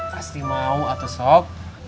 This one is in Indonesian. pasti mau atau sob